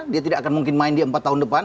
dia tidak akan mungkin main di empat tahun depan